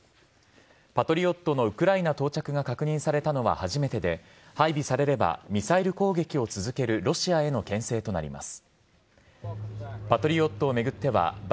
パトリオットのウクライナ到着が確認されたのは初めてで配備されればミサイル攻撃を続けるロシアへのけん制となります。